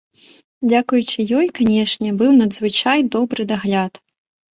Дзякуючы ёй, канешне, быў надзвычай добры дагляд.